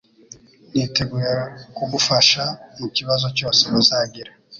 niteguye kugufasha mukibazo cyose uzagira